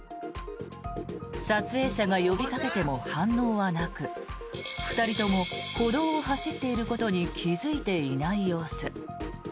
撮影者が呼びかけても反応はなく２人とも歩道を走っていることに気付いていない様子。